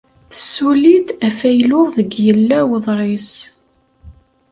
Tessuli-d afaylu deg yella weḍris.